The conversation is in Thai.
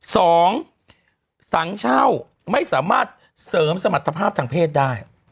สองสังเช่าไม่สามารถเสริมสมรรถภาพทางเพศได้